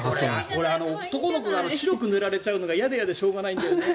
僕、男の子が白く塗られちゃうのって嫌で嫌でしょうがないんだよね。